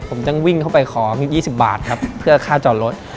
ผมต้องวิ่งเข้าไปขอ๒๐บาทครับเพื่อค่าจอดรถ